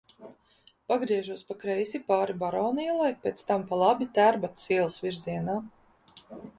Pagriežos pa kreisi, pāri Barona ielai, pēc tam pa labi, Tērbatas ielas virzienā.